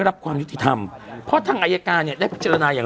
รับความยุติธรรมเพราะทางอายการเนี่ยได้พิจารณาอย่าง